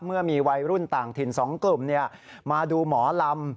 เมื่อมีวัยรุ่นต่างถิ่น๒กลุ่มมาดูหมอลำ